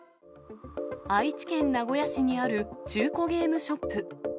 愛知県名古屋市にある中古ゲームショップ。